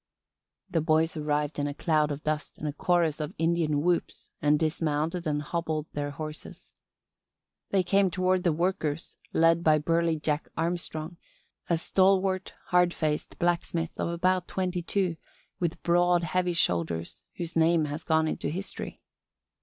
The boys arrived in a cloud of dust and a chorus of Indian whoops and dismounted and hobbled their horses. They came toward the workers, led by burly Jack Armstrong, a stalwart, hard faced blacksmith of about twenty two with broad, heavy shoulders, whose name has gone into history.